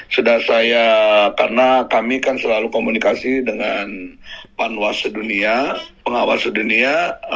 sudah saya karena kami kan selalu komunikasi dengan panwasa dunia pengawas dunia